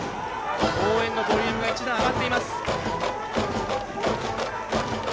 応援のボリュームが一段、上がっています。